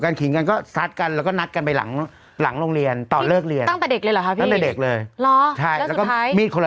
อย่างฉันก็เราก็เป็นอีตุ๊ดอะไรแบบนี้